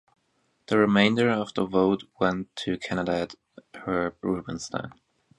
The remainder of the vote went to candidate Herb Rubenstein.